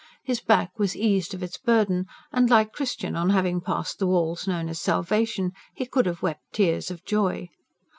His back was eased of its burden; and, like Christian on having passed the wall known as Salvation, he could have wept tears of joy.